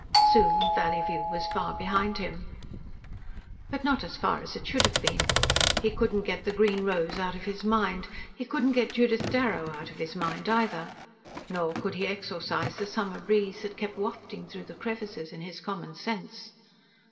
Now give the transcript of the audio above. Soon, Valleyview was far behind him. But not as far as it should have been. He couldn't get the green rose out of his mind. He couldn't get Judith Darrow out of his mind either. Nor could he exorcise the summer breeze that kept wafting through the crevices in his common sense.